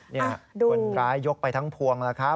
นี่คนร้ายยกไปทั้งพวงแล้วครับ